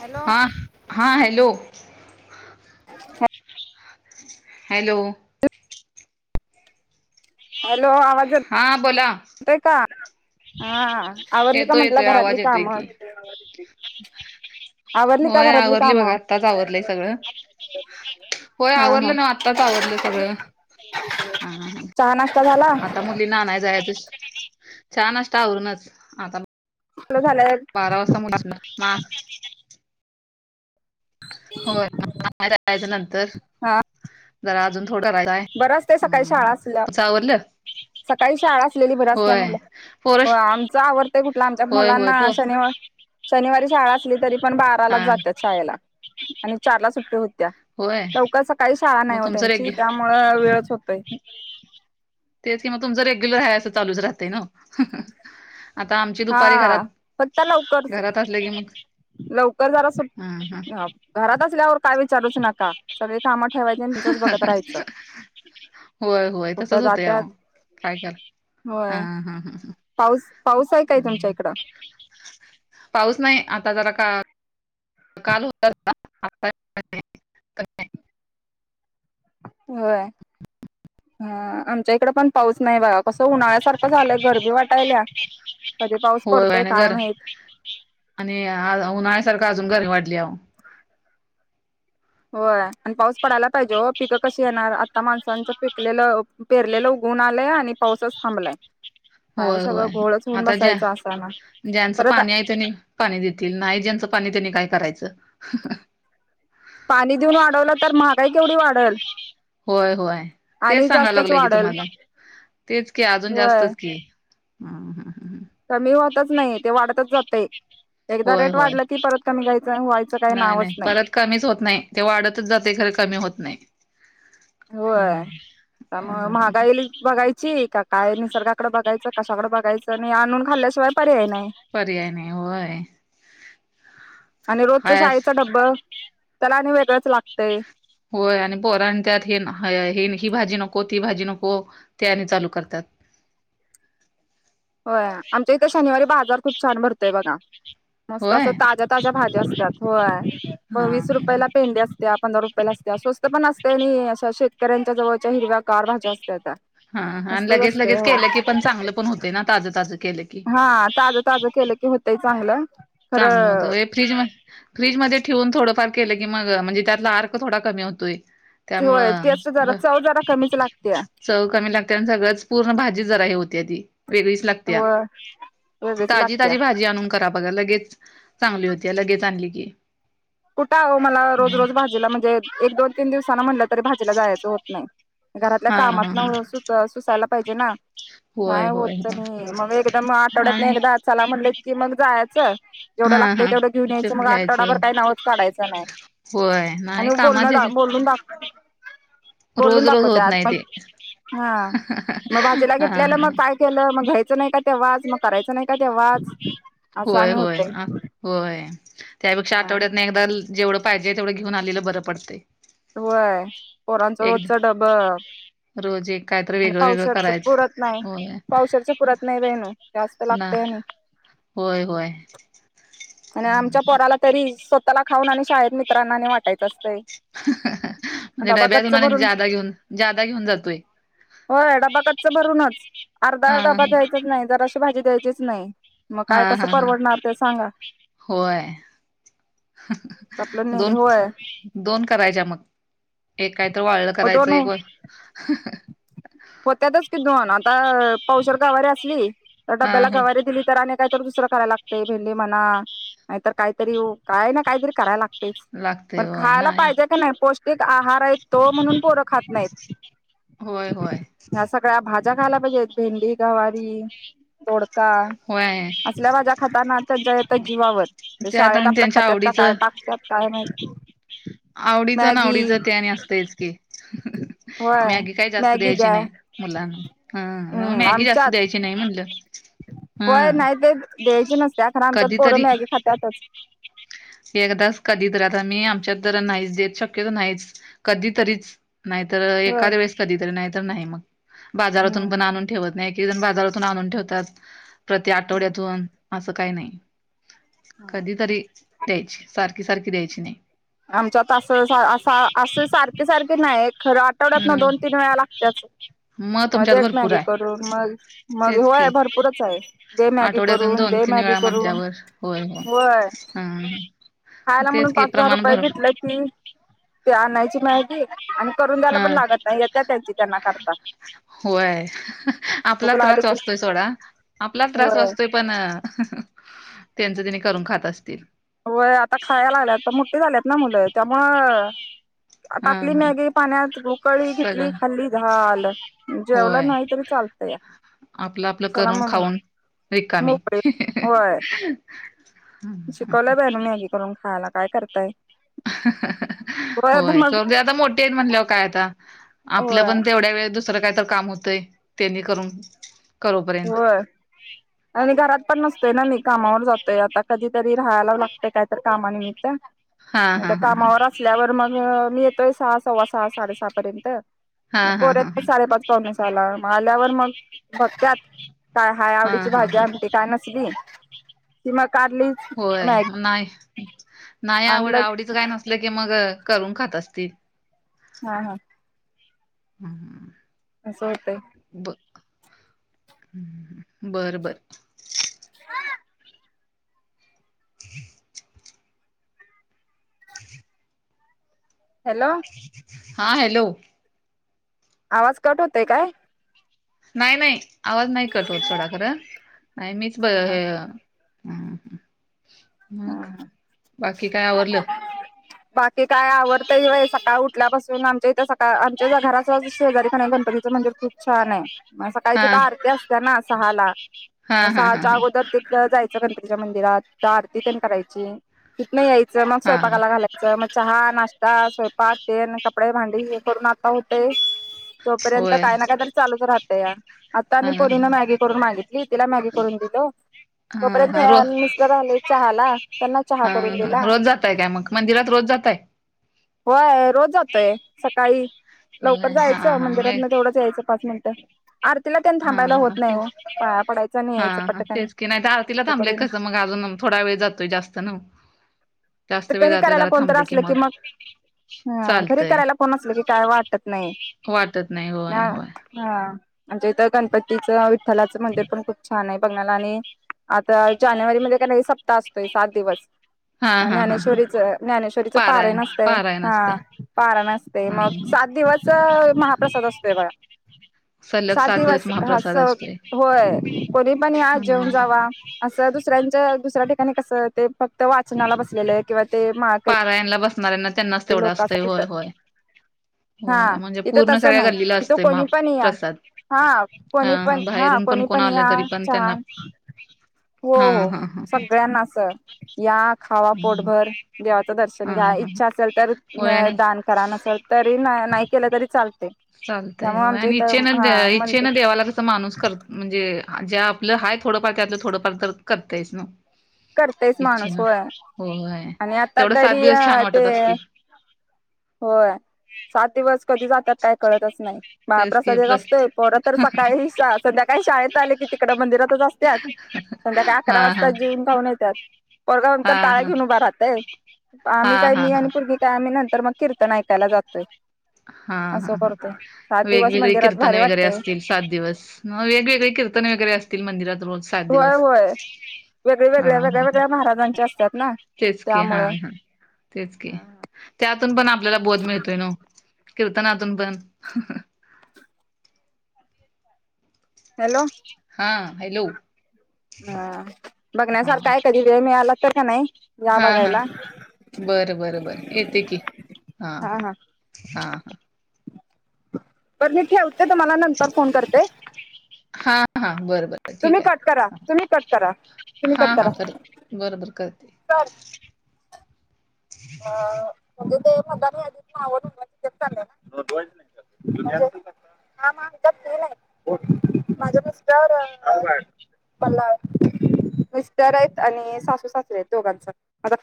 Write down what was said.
Hello हा हा hello होा हॅलो हॅलो आवाज हां बोला तेय का हा आवडली का येतोय म्हंटलं येतोय घरातली आवाज येतोय काम की होय आवरली बघ कामं आत्ताच आवरलंय सगळं होय हा हा आवरडलं ना आत्ताच आवरडलं सगळं चहा नाश्ता झाला मुली ना नाही जा छान असाूनच आता चुलं झालंय बारा वाजता मु मा राहायच्या नंतर हा जरा अजून थोडं राहायचंय बरं असतय सकाळी श आळा असल्या सकाळी शाळा असलेली बर असल्या होय मलं हो पोरस आमच आवडतंय कुठलं आमच्या होय होय मुलांना पो शनिवार शनिवारी शाळा असली तरी पण हा बारालाच जात्या शाळेला आणि चारला सुट्टी होत्या होय लवकच काही शाळा मग नाही हो तुमचं त्यांची रेग्यु त्यामुळं वेळच होतय तेच कि मग तुमच रेग्युलर ह असं चालूच राहतय ना आता आमची दुपारी हा घरात फक्त लवकरच घरात असले की मग लवकर जरा हा हा घरात असल्यावर काय विचारूच नका सगळे कामं ठेवायचे तचंच बघत राहायचं होय होय तसच कुठं होतं जात्यात अव काय कर हा होय ह ह पाऊस पाऊस आहे काय तुमच्या इकडं पाऊस नाही आता जरा का काल होता अ होय हा आमच्या इकडे पण पाऊस नाही बाघा कसं उन्हाळ्यासारखं झालंय गरब वाटायला कधी पाऊस होय होय पडतोय आणि काय गर माहिती आणि उन्हाळ्यासारखं अजून घरी वाढली होय आणि पाऊस पडायला पाहिजे हो पिकं कशी येणार आता माणसांचं पिकलेलं पेरलेलं उघून आलंय आणि पाऊसच थांबलाय काय होय सगळं होय घोळच होऊन आता ज्या बसायचं असाना ज्यांचं परत पाणी आहेयचं नि पाणी देतील नाही ज्यांचं पाणी त्यांनी काय करायचं पाणी देऊन वाढवलं तर महागाई केवढी वाढल होय होय तेच आणि सांगायला जास्तच लागल की वाढल तुम्हाला तेच की अजून होय जास्तच की ह हा ह ह कमी होतच नाही ते वाढतच जातय एकदा होय रेट होय वाढलं की परत कमी घ्यायचं व्हायचं काही नावच नाही कमीच होत नाही ते वाढतच जाते खर कमी होत नाही होय हं मग हं महागाईल बघायची का काय निसर्गाकडे बघायचं कशाकडें बघायं आणि आणून खाल्ल्याशिवाय पर्याय नाही पर्याय नाही होय आणि रोजच हायस शाळेचा डब्बा त्याला आणि वेगळंच लागतय होय आणि पोर आणि त्यात हे हे ही भाजी नको ती भाजी नको ती आणि चालू करतात होय आमच्या इथे शनिवारी बाजार खूप छान भरतोय बघा मस्त होय अस ताज्या ताज्या भाज्या असतात होय हा वीस ह रुपयाला पेंढी असत्या पंधरा रुपया ला असत्या स्वस्त पण असते आणि अशा शेतकऱ्यांच्या जवळच्या हिरव्या गार भाज्या असत्याता हा आणि लगेच लगेच केलं की पण चांगलं पण होते ना ताजं ताजं केलं की हा ताजं ताजं केलं की होतय चांगलं चांगलं खरं हो फ्रीज फ्रीज मध्ये ठेवून थोडंफार केलं की मग म्हणजे त्यातला आर्क थोडा कमी होतोय होय त्यामुळं टेस्ट जरा ब चव जरा कमीच लागत्या चव कमी लागते आणि सगळंच पूर्ण भाजी जरा हे होती ती वेगळीच लागत्या होय वेगळीच ताजी लागत्या ताजी भाजी आणून करा बघा लगेच चांगली होत्या लगेच आणली की कुठं आओ मला रोज रोज भाजीला म्हणजे एक दोन तीन दिवसानं म्हटलं तरी भाजीला जायचं होत नाही घरातल्या हा हा कामात हा न सु सुसायला पाहिजे ना होय नाही होय होत होय नाही मग एकदा मग आठवड्यातनं आणि एकदा चला म्हनटलं की मग जायचं जेवढ हा लागतंय हा तेवढ घेऊन ते यायंचं मग आठवडावर घ्यायचं काय नाव चं काढायच नाही होय नाही आणि बोल कामाच्या ह्याच्यात बोलून दाख बोलून रोज रोज होत दाखवतत नाही मग ते हा मग भाजीला हा हा घेतल्याला मग केलं मग घ्यायचं नाही का तेव्हाच मग करायच नाही का तेव्हाच असं होय आणि होय होतय होय त्यापेक्षा आठवड्यातनं एकदा जेवढं पाहिजे तेवढं घेऊनं आलेलं बंर पडतंय व्हय पोरांचं रोजचं एकदा डब रोज एक कायतरी आणि वेगळं वेगळं पावशेरचं करायचं पुरत नाही होय पावशेरचं पुरत नाही बई आणि जास्त ना लागतय आणि होय होय आणि आमच्या पोराला तरी स्वतःला खाऊन आणि शाळेत मित्रांना आणि वाटायचं असतंय म्हणजे डबा डब्यातून गच्च आणि भरून जादा घेऊन जादा घेऊन जातोय हो या डबा गच्च भरूनच अर्धा हा डबा हा जायचा नाही जराशी भाजी द्यायचीच नाही मग काय हा कसं हा हा. परवडणार ते सांगा होय आपलं नेलं दोन होय दोन करायच्या मग एक कायतर वाळलं करायचं दोन एक व होत्यातच कि दोन आता पावशेर गवारी असली तर हा डब्याला हा गवारी दिली तर आणि काय तर दुसरा कराय लागतय भेंडी म्हणा नाहीतर काहीतरी काय ना काहीतरी कराय लाग तंयचं लागतय पण होय खायला नाही पाहिजे का नाही पौष्टिक आहार आहे तो म्हणून पोरं खात नाहीत होय होय ह्या सगळ्या भाज्या खायला पाहिजेत भेंडी गवारी दोडका होय असल्या भाज्या खाताना त्यांच्या येतं जीवावर त्यात शाळेत आणि आपलं त्यांच्या खात्यात का आवडीचं काय टाकतात काय माहित आवडीचं मॅगी नावडीचं ते आणि असतयच की होय मॅगी काय जास्त मॅगी द्यायची द्या नाही मुलांना ह न्हवं हम्म मॅगी जास्त आमच्यात द्यायची नाही म्हणलं होय हा नाही ते द्यायची नसत्या कारण आमच्यात पोरं कधीतरी मॅगी खात्यातच एकदाच कधी तर आता मी आमच्यात ज नाही च देत शक्यत नाहीच कधीतरीच नाहीतर होय एखाद वेळेस कधीतरी नाहीत नाही मग बाजारातून हम्म पण आणून ठेवत नाही एकेक जण बाजारातून आणून ठेवतात प्रत हा आठवड्यातून असं काही नाही हा. कधी तरी द्यायची सारखी सारखी द्यायची नाही आमच्यात असं अस असं सारखे सारखे नाही खरं आठवड्यात ना हम्म दोन तीन वेळा लागतच मग तुमच्यात मगट भरपूर मॅगे आहे करून मग मग हो तेच आहे की भरपूरच आहे दे मॅग आठवड्यातून करून दोन दे तीन मागे वेळा करून म्हटल्यावर होय हो वय हा खायला म्हणून तेच की पाच हजार प्रमाण रुपये भर घेतला की ते आणायची माहिती आणि करून द्यायला हा पण लागत नाही येत त्यांची त्यांना करता होय आपला भूक लागली त्रास की वातोय सोडा आपला त्रास होय वातोय पण त्यांच तिने करून खात असतील वय आता खायला लागल्यात तर मुठ्टठी झाल्यात ना मुलं त्यामु हा टाकली ह मॅगी पाण्यात रुकळी सगळं घेतली खाल्ली झालं जेवलं होय नाही तरी चाल आपलं आपलं करून खाऊन रिकामी मोकळे हम् कलं बन मॅगी करून खायला काय करताय होय मग होयग आता मोठे आहेत म्हणल्यावर काय आता आपलं होय पण तेवढ्या वेळ दुसरं काहीत काम होतय त्यांनी करून हो हम्म आणि घरात पण नसतोय ना मी कामावर जातोय आता कधीतरी राहायला लागतय काय तर कामानिमित्त हा नाही हा त्या हा हा कामावर असल्यावर मग मी येतोय सहा सव्वा सहा साडे सहा पर्यंत हा हा हा पोर्या साडेपाच णसला आल्यावर मग बघ काय हा आवडीची भाजी आी काय नसली कि मग कारली होय नाही नाही आवड आणलंच आवडीच काय नसलं की मग करून खात असतील हा हा हां असं वाटतं ब बर बर हा हम् हॅलो हा हॅलो आवाज कट होतय काय नाही नाही आवाज नाही कटव सथोडा खर नाही मीच हा हा मग हा बाकी काय आवरडलं बाकी काय आवडतई आहे सकाळ उठल्यापासून आमच्या इथे सकाळ आमच्या घराच शेजारी खा गणपतीचं मंदिर खूप छान आहे मग सकाळी हा तिथे आरती असत्या ना सहा ला हा मग हा हा सहाच्या ह अगोदर तिथ जायचं गणपच्या मंदिरात आरती पण करायची तिथनं यायचं मग हा स्वयंपाकाला घालायचं मग चहा नाश्त स्वयंपाक तेन कपडे भांडी हे करून आता होते तोपर्यंत होय काय ना काय तरी चालूच राहतें या आता हा आणि ह पोरीन मॅगी करून मागितली तिला मॅगी करून दिलं हा ह हव ते राहिले चहा ला त्यांना चहा करून दिला हा रोज जाताय काय मग मंदिरात रोज जातय होय रोज जातोय सकाळी होय लवकर हा जायचं हा नाही मंदिरातन तेवढंच यायचं पाच मिनट आरतीला त्यांन हा थांबायला होत हा नाही हो तेच पाया पडायचं आणि हा यायचं हा पटकन तेच की नाही तर आरतीला फक्त थांबले पडून कसं मग अजून थोडा वेळ जातोय जास्त ना घरी करायला कोणत असल की मग हा घरी चालतंय करायला फोन असल की काय वाटत नाही वाटत नाही होय हा होय म्हणजे इथ गणपतीचं विठ्ठलाचं मंदिर पण खूप छान आहे बघण्याला आणि आता जानेवारी मध्ये का नाही सप्ताह असतोय सात दिवस. हा हा हा हा ज्ञानेश्वरीच ज्ञानेश्वरीच पारायण असतय पारायण हा असते पारायण असते हा मग सात दिवस च. महाप्रसाद असते बघा. सलग सात दिवस हा महाप्रसाद स असतोय होय कोणी पण या हा जेऊन जावा. जावा असं दुसऱ्यांच्या दुसऱ्या ठिकाणी कसं ते फक्त वाचनाला बसलेलं आहे किंवा ते माळकरी परायणाला बसणारऱ्यांना त्यांनाच तेवढं लोक असतं असत होय होय. हा होय म्हणजे तिथं पूर्ण तसं सगळ्या नाही गल्लीला तिथं असतंय कोणी पण या. महाप्रसाद हा हा कोणी पण हा बाहेरून कोणी कोण पण आलं या तरी पण चहा त्यांना हो हा हो हा हा सगळ्यांना अस या खावा पोटभर. देवाचं दर्शन हा घ्या हा इच्छा असेल तर होय आणि दान करा नसल तरी नाही नाही केलं तरी चालतय. चालतंय हो आणि इच्छेन म्हणते इच्छेन देवाला कस माणूस करतो. म्हणजे ज्या आपलं हा थोडंफार त्यातलं थोडंफार तर करतायस ना. करतेच माणूस इच्छिन होय आणि आता तेवढं सात तरी दिवस छान अ ते वाटत असतील. होय सात दिवस कधी जातात काय कळतच नाही. तेच की महाप्रसाद एक प्रस असतोय पोर तर सकाळी संध्याकाळी शाळेत आले की तिकड मंदिरातच असत्यात. संध्याकाळी हा अकरा वाजता हा जेऊ नं खाऊन येत्यात पोरगा आमचा हा टाळ हा घेऊन उभा राहतेय आम्ही हा काही हा मी हा आणि पोरगी त्या म नंतर मग कीर्तन ऐकायला जातोय. हा असं हा हा करतोय. सात दिवस वेगवेगळी मंदिरात कीर्तन भारी वगैरे वाटतय असतील. सात दिवस मग वेगवेगळे कीर्तन वगैरे असतील मंदिरात रोज. सात होय दिवस होय हा वेगळवेेगळ्या वेगळ्या हा वेगळ्या महाराजांच्या असतात ना तेच की हा त्यामुळं. हा तेच की त्यातून पण आपल्याला बोध मिळतोय नवं. कीर्तनातून पण. हॅलो हा हॅलो ह हा बघण्यासारख आहे कधी वेळ मिळाला तर का नाही या हा हा बघायला. बरं बरं बरं येते की हा हा हा हा. बर मी ठेवते तुम्हाला नंतर फोन करते. हा हा बर बर. तुम्ही कट करा तुम्ही कट करा. तुम्ही हा कट हा करा कर बर बर करते. सर म्हणजे ते मतदार यादीत नाव नोंदवायचं चालाय ना, म्हणजे. हा म [unintelligible] आहे माझे मिस्टर मला मिस्टर आहेत आणि सासू सासरी आहेत दोघांच. माझा